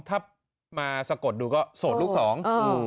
ถ้ามาสะกดดูก็โสดลูกสองอืม